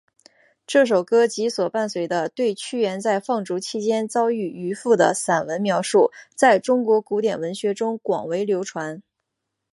这首歌及所伴随的对屈原在放逐期间遭遇渔父的散文描述在中国古典文学中广为流传。